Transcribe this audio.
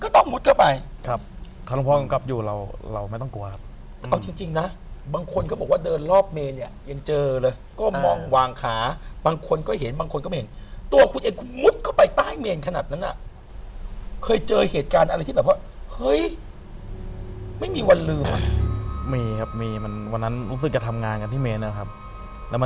แต่ถ้ามีช่วงไหนเยอะก็คือจะเยอะเลยตาม